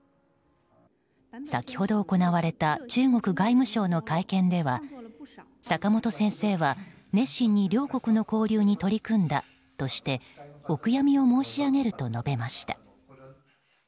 先ほど行われた中国外務省の会見では坂本先生は熱心に両国の交流に取り組んだとしてお悔やみを申し上げると述べました。